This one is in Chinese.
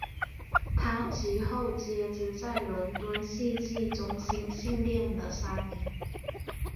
他其后接着在伦敦戏剧中心训练了三年。